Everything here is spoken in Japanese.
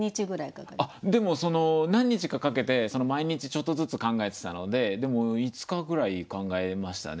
でも何日かかけて毎日ちょっとずつ考えてたのででも５日ぐらい考えましたね。